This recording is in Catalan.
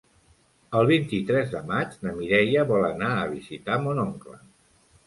El vint-i-tres de maig na Mireia vol anar a visitar mon oncle.